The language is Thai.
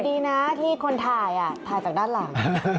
ดีนะที่คนถ่ายถ่ายจากด้านหลัง